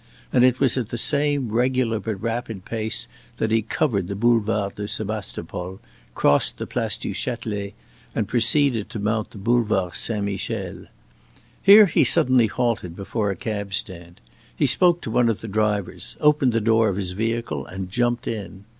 And it was at the same regular but rapid pace that he covered the Boulevard de Sebastopol, crossed the Place du Chatelet, and proceeded to mount the Boulevard Saint Michel. Here he suddenly halted before a cab stand. He spoke to one of the drivers, opened the door of his vehicle, and jumped in.